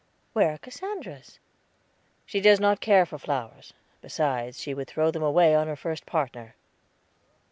"Where are Cassandra's?" "She does not care for flowers; besides, she would throw them away on her first partner."